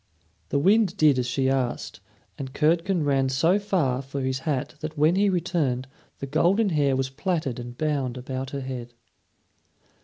The wind did as she asked, and Curdken ran so far for his hat that when he returned the golden hair was plaited and bound about her head.